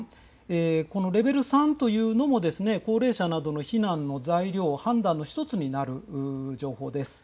このレベル３というのも、高齢者などの避難の材料、判断の一つになる情報です。